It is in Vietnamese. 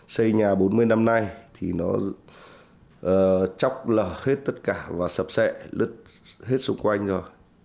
xây nhà bốn mươi năm nay thì nó chóc lở hết tất cả và sập sệ lứt hết xung quanh rồi